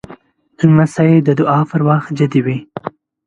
لمسی د دعا پر وخت جدي وي.